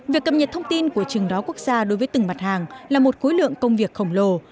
việc cập nhật thông tin của chừng đó quốc gia đối với từng mặt hàng là một khối lượng công việc khổng lồ